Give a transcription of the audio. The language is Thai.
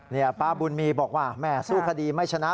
นี่ป้าบุญมีบอกว่าแม่สู้คดีไม่ชนะ